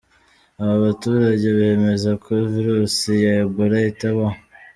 Abo baturage bemeza ko virusi ya Ebola itabaho.